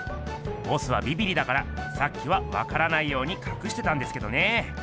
ボスはびびりだからさっきはわからないようにかくしてたんですけどね。